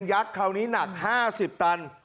ักษ์คราวนี้หนัก๕๐ตัน